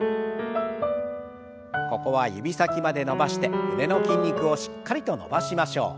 ここは指先まで伸ばして胸の筋肉をしっかりと伸ばしましょう。